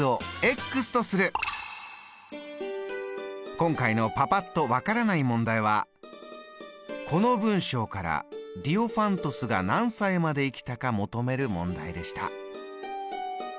今回のパパっと分からない問題はこの文章からディオファントスが何歳まで生きたか求める問題でした。